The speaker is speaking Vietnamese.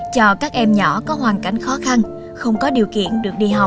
cho các em nhỏ có hoàn cảnh khó khăn không có điều kiện được đi học